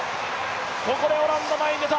ここでオランダ前に出た。